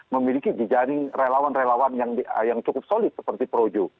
memiliki jejaring relawan relawan yang cukup solid seperti projo